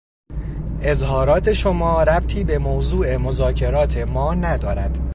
اظهارات شما ربطی به موضوع مذاکرات ما ندارد.